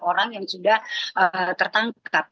orang yang sudah tertangkap